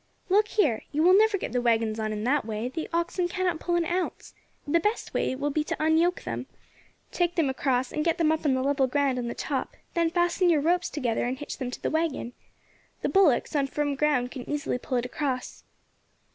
"Look here, you will never get the waggons on in that way, the oxen cannot pull an ounce. The best way will be to unyoke them, take them across, and get them up on the level ground on the top; then fasten your ropes together and hitch them to the waggon. The bullocks, on firm ground, can easily pull it across."